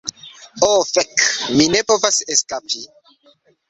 Oh fek, mi ne povas eskapi!